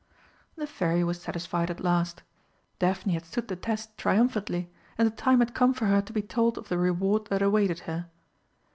The Fairy was satisfied at last; Daphne had stood the test triumphantly, and the time had come for her to be told of the reward that awaited her.